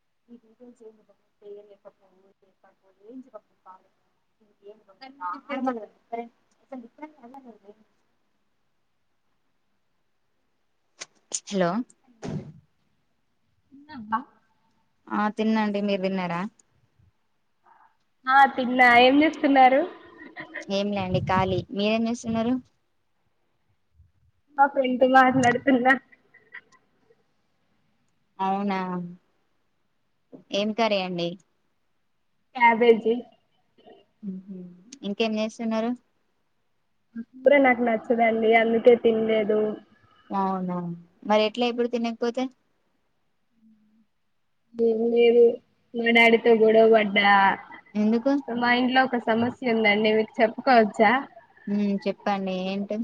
[inaudible] Hello అబ్బ ఆ తిన్నండి మీరు తిన్నారా ఆ తిన్నా ఏం చేస్తున్నారు ఏం లేండి ఖళీ మీరేం చేస్తున్నారు మా ఫ్రెండ్ తో మాట్లాడుతున్న అవునా ఏం కర్రీ అండి క్యాబేజీ ఇంకేం చేస్తున్నారు ఇప్పుడె నా నచ్చదండి అందుకే తినలేద్ మ్ అవునవును మరి ఎట్లా ఎప్పుడు తినకపోతే [unintelligible] నేను ఆడితొ గొడవబడ్డా ఎందుకు ఉందండి మీకు చెప్పుకోవచ్చా మ్ చెప్పండి ఏంటి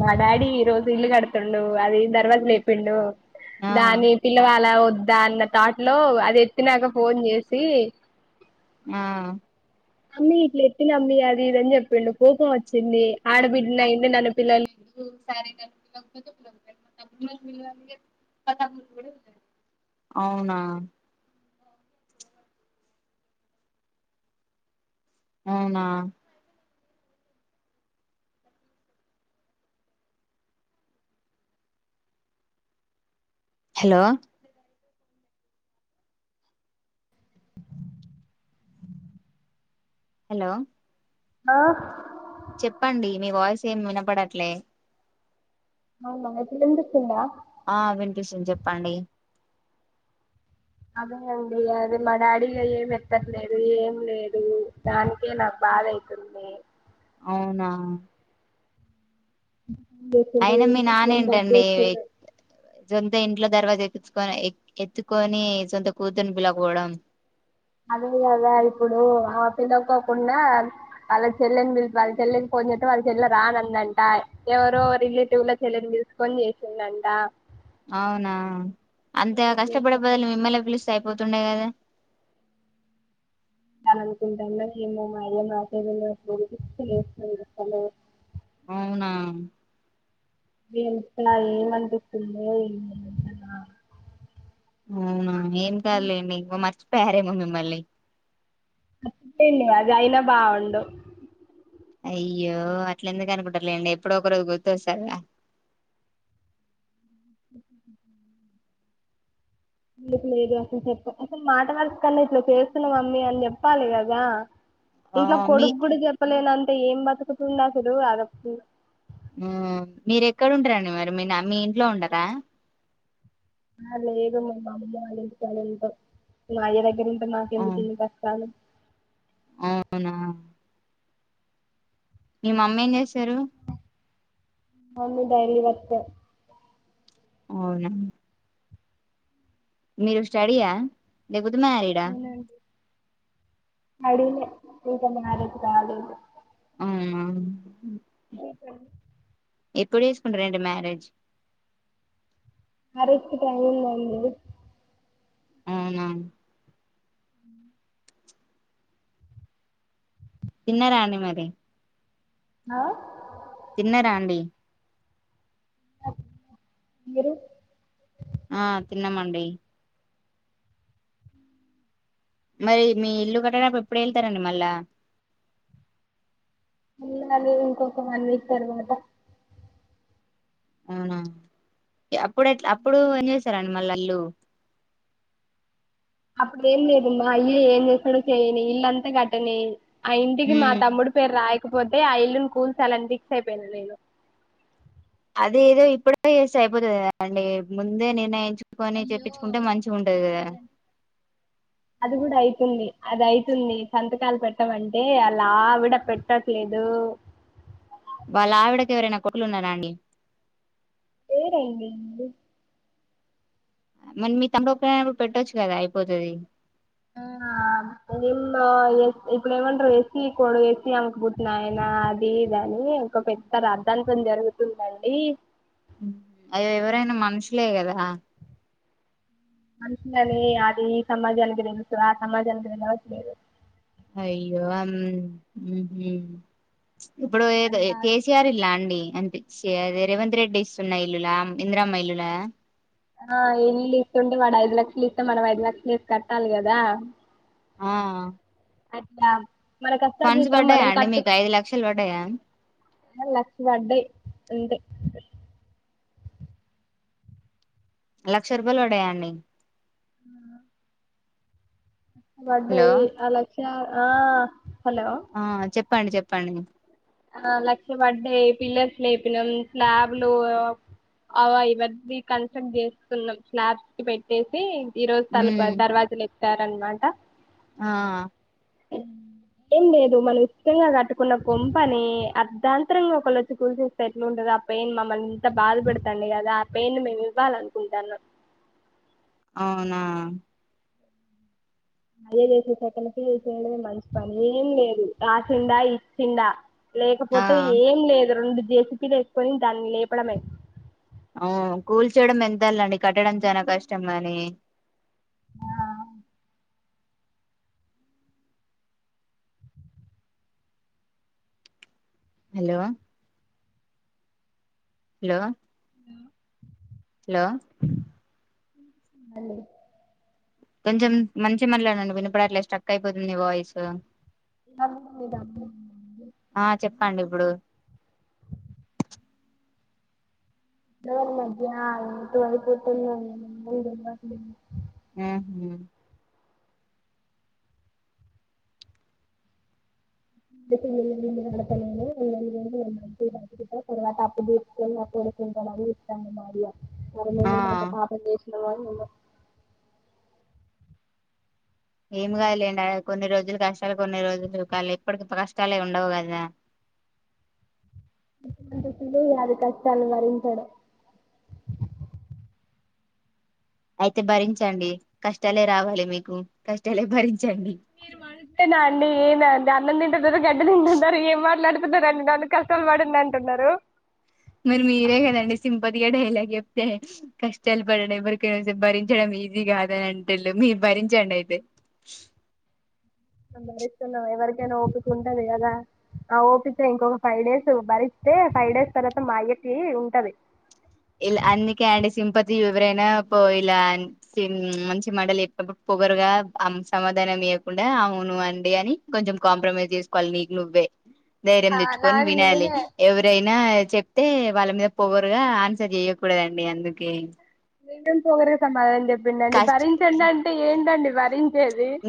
మా డాడీ ఈ రోజు ఇల్లు కడుతుండు అది దర్వాజు లేపిండు ఆ దాని పిల్లవాల వద్దా అన్న థాట్లో అది ఎత్తినాక ఫోన్ చేసి ఆ అమ్మీ ఇట్లా ఎప్పినమ్మి అది ఇదని చెప్ బలె కోపం వచ్చింది ఆడబిడ్డ నైయుండి నన్ను పిలవలె అవునా అవునా హలో హలో ఆ చెప్పండి మీ వాయిస్ ఏమి వినపడట్లే అవునా ఇప్పుడు వినిపిస్తుందా ఆ వినిపిస్తుంది చెప్పండి అదే అండి అది మా డాడీగా ఏం ఎత్తట్లేదు ఏం లేదు దానికే నాకు బాధ అయితుంది అవునా అయినా మీ నాన్న ఏంటండి [unintelligible] సొంత ఇంట్లో దర్వాజా ఎత్తిచ్చుకొని ఎత్తుకోని సొంత కూతుర్ని పిలవకపోవడం అదే కదా ఇప్పుడు ఆ పిలవకోకుండా వాళ్ళ చెల్లెని పిలిపి వాళ్ళ చెల్లికి ఫోన్ చేస్తే వాళ్ళ చెల్లి రానందంట ఎవరో రిలేటివ్ లో చెల్లెని పిలుసుకొని చేసిండంట అవునా అంత గ కష్టపడె బదులు మిమ్మల్నె పిలిసి స్తే అయిపోతుండే కదా తని అనుకుంటుందో ఏమో మరి [unintelligible] అవునా ఏప్పలా ఏం వంటకుంద ఇంట అవునా ఏం కాాలండి ఇంకా మర్చిపో పెహరేమో మిమ్మల్ని అ చట్టేండి అది అయినా బాగుండు అయ్యో అట్ల ఎందుకు అనుకుంటారులేండి ఎప్పుడు ఒక రోజు గుర్తుస్తారూ మీకు లేదు అసలు చెప్ప అసలు మాట వరసకు కన్నా ఇట్లా చేస్తున్నాం అమ్మీ అని చెప్పాలి కదా ఆ ఇంఇంట్లో మీ కొడుకు గుడు చెప్పలేన తే ఏం బతుకుతుంద అసలు అదప్పు మ్మ్ ఆ మీరు ఎక్కడుంటరండి మరి మీ నా మీ ఇంట్లో ఉండరా ఆ లేదు మా మా అమ్మమ్మ వాళ్ళ ఇంట్లో నే ఉంటాం మా అయ్య దగ్గరంచి [unintelligible] మాకెందుకు ఇన్ని కష్టాలు అవునా మీ మమ్మి ఏం చేసారు అవును డైలీ వర్కర్ అవునా మీరు స్టాడియా లేకపోతే తున్న ఈడ అడిగిన నిజంగా రాలేదు నిజంగా రాలేదు మ్మ్ ఆ ఎట్లుంది ఎప్పుడు వేసుకుంటంట మరేజ్ ఆ రచ్చి టందం అవునా చిన్న రాణి మరి ఆ తిన్నరా అండి మీరు ఆ తిన్నమండి మరి మీ ఇల్లు కట్టడాప్పు ఎప్పుడు వెళ్తారంండి మళ్ళా ఇ అది ఇంకొక వన్ వీక్ తర్వాత అవునా అప్పుడు ఎట్లా అప్పుడు ఏం చేసారంండి మళ్ళీ అల్లుు అప్పుడు ఏం లేదుమ్మా ఇల్లు ఏం చేస్తాడుో చేయని ఇల్లుంతా కట్టని అ ఇంటికి మా ఉమ్ తమ్ముడు పేరు రాయ కాకపోతే ఆ ఇల్లుని కూల్స్ అలాంటి ఫిక్స్ అయిపోయినా నేను అద ఏదో ఇప్పుడ చేస్తే అయిపోతుంది కదాండి ముందే నిర్ణయించు అయ్యో ఏమంటారు అది కూడా అయితుంది అద అవుతుంది సంతకాలు పెట్టమంటే అలావిడ పెట్టట్లేదు వాళ్ళ ఆవిడకి ఎవరైనా కొట్లు ఉన్నారాండి ఏర ఇంగ ఇ మరి మీ తండ్రి ఒక్కరనాప్పుడు పెట్టొచ్చు కదా అయిపోతుది ఆ ఇప్పుడు ఏమంటారు వేసి కొడు వేసి అమ్మకుపోతున్నా ఆయనా అది దని ఒకంకా పెద్ద రర్థాంతం జరుగుతుందండి అవి ఎవరైనా మనుషులే కదా మనషిననే అది ఈ సమాజ అల్గ తెలుసు ఆ సమాజ అగ నలవత్ అయ్యో అం ఉమ్ హూ ఇప్పుడు ఏది అది బాధ కేసీఆర్ ఇల్లా అండి అం సే రేవంత్ రెడ్డి ఇస్తున్న ఇల్లులా ఇందిరమ్మ ఇల్లులా ఆ ఇల్లు ఇస్తుండు వాడు ఐదు లక్షలు ఇస్తే మనం ఐదు లక్షలు ఏసి కట్టాలి కదా ఆ ఆ స్లాబ్ మన ఫండ్స్ కష్టార్జితం పడ్డాయా మనం అండి కట్టు మీకు ఐదు లక్షలు పడ్డాయా లక్ష పడ్డాయి అంతే లక్ష రూపాయలు పడ్డయా అండి ఆ అ హలో వడ్డయి అ లక్ష ఆ హలో ఆ చెప్ప్ చెప్పండి చెప్పండి ఆ లక్ష పడ్డయి పిల్లర్స్ లేపినాం స్లాబ్లు అవ ఇవన్నీ కన్స్ట్రక్ట్ చేస్తున్నాం స్లాబ్స్ కి పెట్టేసి ఈ రోజు తలపు ఉమ్ అది దర్వాజ్ లేప్ తారు అన్నమాట ఆ ఏం లేదు మనం ఇష్టంగా కట్టుకున్న కొం పని అర్ధాంతరంగా ఒకళోచ్చి కూల్చేస్తే ఎట్లా ఉంటది ఆ పెయిన్ మమ్మల్ని ఇంత బాధ పెడతాండు కదా ఆ పెయిన్ ను మేము ఇవ్వాల అనుకుంటాన అవునా అయ్యే చేసేటట్టు ఎనకి ఇచ్చేయడమే మంచి పనేం లేదు రాసిండా ఇచ్చిండా ఆ లేకపోతే ఏం లేదు రెండు జేసిపీలు ఏసుకొని దాని లేపడమే అవును కూల్చేయడం ఎంతలేండి కట్టడం చానా కష్టం కాని ఆ hello hello hello hello hello కొంచెం మంచిగా మాట్లాడండి వినపడట్లే స్ట్రక్ అయిపోతుంది వాయిస్ నాకు మీ డబ్బు ఉంది అండి ఇప్పుడు అయిన ఈ మధ్య ఎటో అయిపోతుంది అండి ఏం తెలువట్లేదు ఉమ్ హూ ఇప్పుడైతే ఇల్లు గిల్లు కడతలేను [unintelligible] తర్వాత అప్పు తీసుకొని మా కొడుకు ఉంటడు అడిగి ఇస్తా బాబు మరి ఆ మేమేమంత పాపం చేసి కామ్ గా ఉన్నాం ఏమి కాదులేండి కొన్ని రోజులు కష్టాలు కొన్ని రోజులు కాళ ఇప్పటికి కష్టాలే ఉండవు కదా మంట తెలు యాది కష్టాలు భరించడం అయితే భరించండి కష్టాలే రావాలి మీకు కష్టాలే భరించ మీరు మస్తే నా అండి ఏన్ అంత అన గడ్డ తంటన్నారుారు ఏం మాట్లాడ డి నన్ను కష్టాలు పడిండి అంటున్నారు గా డైలాగ్ చెప్తే కష్టాలు పడడం ఎవరికైనా భరించడం ఈజీ కాదని అంటేళ్ మీరు భరించండి అయితే భరిస్తున్నాం ఎవరికైనా ఓపిక ఉంటది కదా ఆ ఓపిస్తే ఇంకొక ఫైవ్ డేస్ భరిస్తే ఫైవ్ డేస్ తర్వాత మాగట్టి ఉంటది ఇలా అందుకే అండి సింపతి ఎవరైనా ఇలా మంచి మటలు ఎప్పినప్పుడు పొగరుగా సమాధానం ఇవ్వకుండా అవును అండి అని కొంచెం కాంప్రమైజ్ చేసుకోవాలి నీకు నువ్వే ధైర్యం తెచ్చుకొని నాకు వినాలి నేనే ఎవరైనా చెప్తే వాళ్ళ మీద పొవరుగాన్స సరి చెయకూడదండి అందుకే మీ పోరే సమాధం పండి భరించండి అంటే ఏంటండి మరి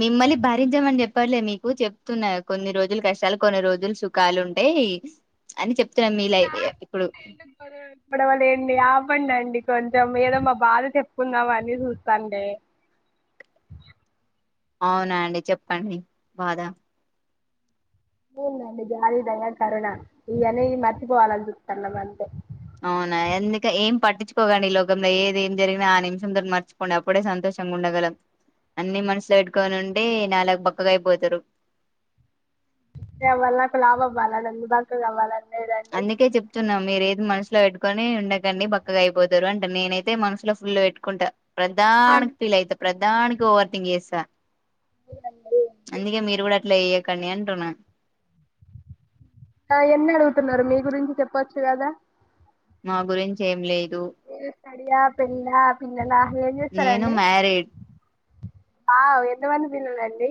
నిమ్మలి బార జ మండి చెప్ చెప్పర్లేదు మీకు చెప్తున్నా కొన్ని రోజులు కష్టాలు కొన్ని రోజులు సుఖాలు ఉంటాయి అని చెప్ పడవలేండి ఆపండి అండి కొంచెం ఏదో మా బాధ చెప్పుకుందామ అని చూస్తాండి అవునా అండి చెప్పండి బాధా ఊ మళ్ళీ జాలి దయ కరుణ ఈ అనేగి మర్చిపోవాలని చూత్తన్నము అంతే అవునా ఎందుక ఏం పట్టించుకోగండి ఈ లోకంలో ఏది ఏం జరిగినా ఆ నిమిషంతో మర్చుపోండి అప్పుడే సంతోషంగా ఉండగలం అన్ని మనసులో పెట్టుకొని ఉంటే నాలగ బక్కగా అయిపోతారు వళ నాకు లాభ అ్వాల అ బాక అవ్వాల అందుకే చెప్తున్నా మీరు ఏ మనసులో పెట్టుకొని ఉండకండి పక్కగా అయిపోతారు అంటే నేనయితే మనసులో ఫుల్ పెట్టుకుంటా ప్రత్ దానికి ఫీల్ అయ్యితావ్ ప్రత్ దానికి ఓవర్ థింక్ చేసా మీరందరూ అందుకే మీరు కూడా అట్లా చెయ్యకండి అంటున్నా నా యన్ని అడుగుతున్నారు మీ గురించి చెప్పచ్చు కదా మా గురించి ఏం లే టు తడియ పెళ్ళ [unintelligible] కన్నా ఏం నేను చేస్తారండి మ్యారీడ్ ఆ ఎంత మంది తిన్నారండి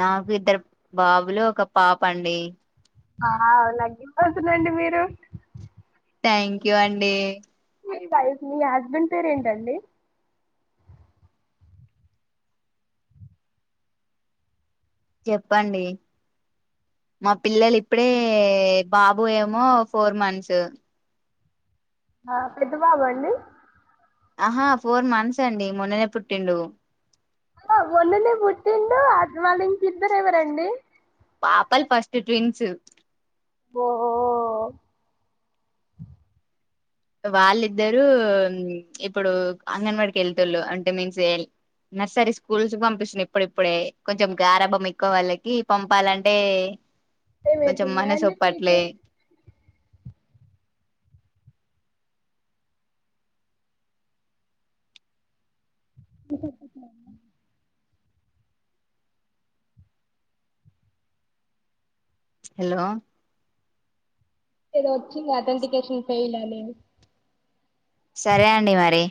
నాకు ఇద్దరు బాబులు ఒక పాప అండి ఆ మగ్గిపోతున్నారండి మీరు థ్యాంక్ యూ అండి మీ వైఫ్ మీ హస్బెండ్ పేరు ఏంటండి చెప్పండి మా పిల్లలు ఇప్పుడే బాబుయేమో ఫోర్ మంత్స్. ఆ పెద్ద బాబండి ఆహా ఫోర్ మంత్స్ అండి మొన్ననే పుట్టిండు. అలా మొన్ననే పుట్టిండు అడివాళ్ళ ఇంకిిద్దర ఎవరండి. పాపల్ ఫస్ట్ ట్విన్స్ ఓహో వాళ్ళిద్దరు ఇప్పుడు అంగన్వాడికి వెళ్తుళ్ళు అంటే మీన్స్ నర్సరీ స్కూల్స్ పంపిస్తున్నా. ఇప్పుడుప్పుడే కొంచెం గారంభం ఎక్కువ వాళ్ళకి పంపాలంటే. కొంచం ఏమైతుందా మన అండి సొప్పాట్లే మీకు [unintelligible] హలో ఏదో వచ్చింది అథెంటికేషన్ ఫెయిల్ అని. సరే అండి మరి